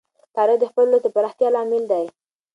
تاریخ د خپل ولس د پراختیا لامل دی.